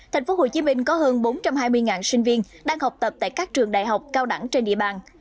tp hcm có hơn bốn trăm hai mươi sinh viên đang học tập tại các trường đại học cao đẳng trên địa bàn